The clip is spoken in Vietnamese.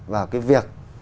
vào cái việc